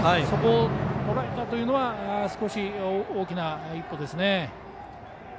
そこをとらえたというのは大きな一歩ですね。